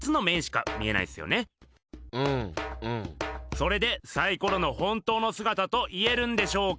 それでサイコロの本当のすがたと言えるんでしょうか？